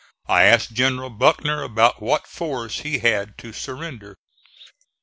I asked General Buckner about what force he had to surrender.